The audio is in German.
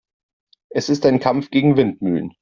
Es ist ein Kampf gegen Windmühlen.